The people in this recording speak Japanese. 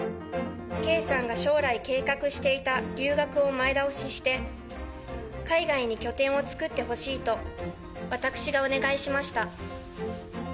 圭さんが将来計画していた留学を前倒しして、海外に拠点を作ってほしいと私がお願いしました。